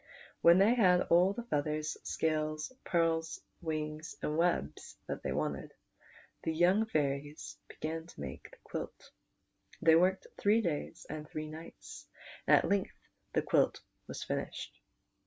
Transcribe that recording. When they had all the feathers, scales, pearls, wings, and webs that they wanted, the young fairies began to make the quilt. They worked three days and three nights, and at length the quilt was finished.